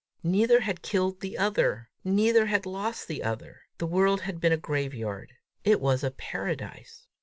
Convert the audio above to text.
Neither had killed the other! Neither had lost the other! The world had been a graveyard; it was a paradise!